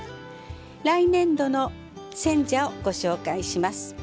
来年度の選者をご紹介します。